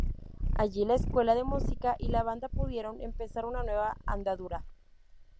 Allí la Escuela de Música y la Banda pudieron empezar una nueva andadura.